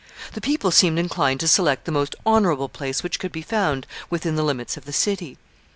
The people seemed inclined to select the most honorable place which could be found within the limits of the city.